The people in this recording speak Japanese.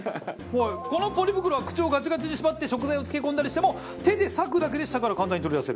このポリ袋は口をガチガチに縛って食材を漬け込んだりしても手で裂くだけで下から簡単に取り出せる。